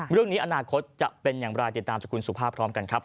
เรื่องนี้อนาคตจะเป็นอย่างไรติดตามจากคุณสุภาพพร้อมกันครับ